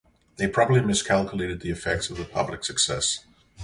They probably miscalculated the effects of the public success.